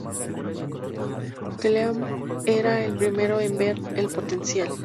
Clem era el primero en ver el potencial.